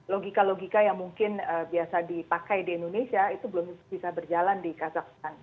logika logika yang mungkin biasa dipakai di indonesia itu belum bisa berjalan di kazakhstan